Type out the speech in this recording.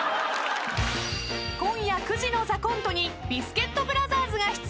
［今夜９時の『ＴＨＥＣＯＮＴＥ』にビスケットブラザーズが出演］